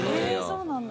そうなんだ！